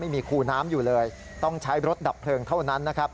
ไม่มีคู่น้ำอยู่เลยต้องใช้รถดับเพลิงเท่านั้น